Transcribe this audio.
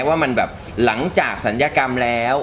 ว่ามันแบบหลังจากศัลยกรรมแล้ว